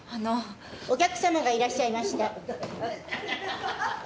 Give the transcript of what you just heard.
お客さまがいらっしゃいました。